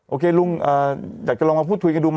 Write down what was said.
โอเคลุงอยากจะลองมาพูดคุยกันดูไหม